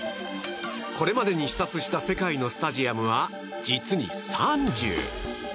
これまでに視察した世界のスタジアムは実に３０。